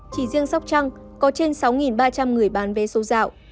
chỉ riêng sóc trăng có trên sáu ba trăm linh người bán vé số dạo